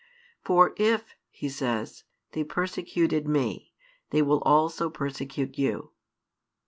For if, He says, they persecuted Me, they will also persecute you.